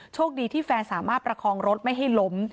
โชคดีที่แฟนสามารถประคองรถไม่ให้ล้ม